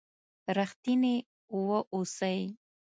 رښتيني و اوسئ!